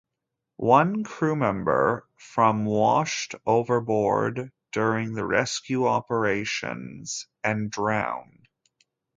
One crewmember from washed overboard during the rescue operations and drowned.